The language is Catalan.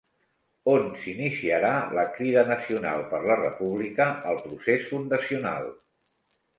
On s'iniciarà la Crida Nacional per la República el procés fundacional?